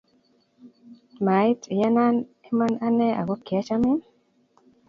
mait iyanan iman any ako kiachamin